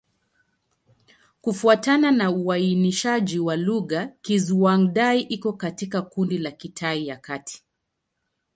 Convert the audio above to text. Kufuatana na uainishaji wa lugha, Kizhuang-Dai iko katika kundi la Kitai ya Kati.